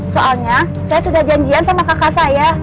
soalnya saya sudah janjian sama kakak saya